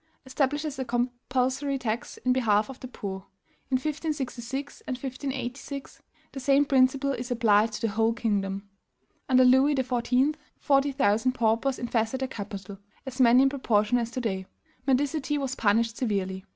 establishes a compulsory tax in behalf of the poor. In 1566 and 1586, the same principle is applied to the whole kingdom. "Under Louis XIV., forty thousand paupers infested the capital [as many in proportion as to day]. Mendicity was punished severely.